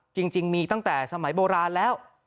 จริงมีตั้งแต่สมัยโบราณแล้ว